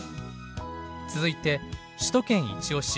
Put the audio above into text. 続いて首都圏いちオシ！